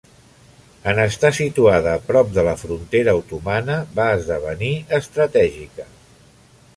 En estar situada prop de la frontera otomana va esdevenir estratègica.